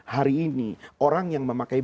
hari ini orang yang memakai